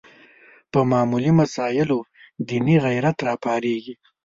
په معمولي مسایلو دیني غیرت راپارېږي